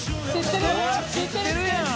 「ほら知ってるやん」